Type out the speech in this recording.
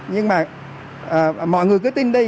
nhưng mà mọi người cứ tin đi